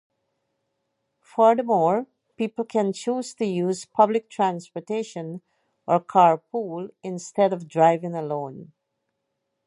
Furthermore, people can choose to use public transportation or carpool instead of driving alone.